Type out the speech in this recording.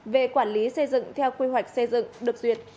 về quản lý xây dựng theo quy hoạch xây dựng được duyệt